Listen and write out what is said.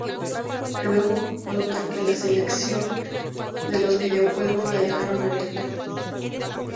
Luego, nota que la sección de los videojuegos la dejaron abierta.